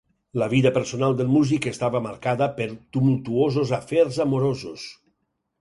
La vida personal del músic estava marcada per tumultuosos afers amorosos.